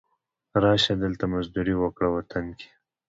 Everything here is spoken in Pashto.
را شه، دلته مزدوري وکړه وطن کې